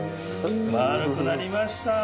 丸くなりました。